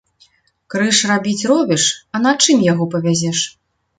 Крыж рабіць робіш, а на чым яго павязеш?